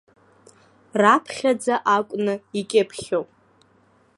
Раԥхьаӡа акәны икьыԥхьуп.